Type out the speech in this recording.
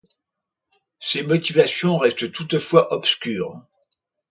Ses motivations restent toutefois obscures.